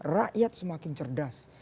rakyat semakin cerdas